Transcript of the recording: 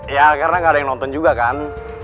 ya karena gak ada yang nonton juga kan